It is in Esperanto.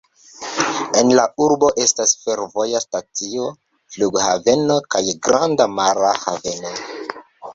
En la urbo estas fervoja stacio, flughaveno kaj granda mara haveno.